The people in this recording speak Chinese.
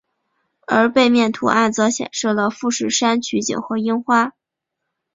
而背面图案则显示了富士山取景和樱花。